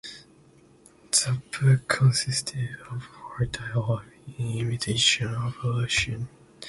The book consisted of four dialogues in imitation of Lucian.